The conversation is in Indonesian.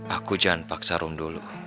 aku jangan paksa rum dulu